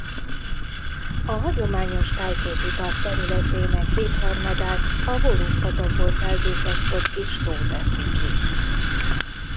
A hagyományos tájképi park területének kétharmadát a Woluwe patakból felduzzasztott kis tó teszi ki.